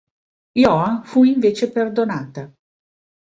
Joan fu invece perdonata.